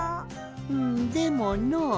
うんでものう。